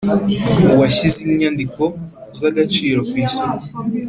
uwashyize inyandiko z agaciro ku isoko